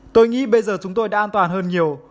tôi nghĩ bây giờ chúng tôi đã an toàn hơn nhiều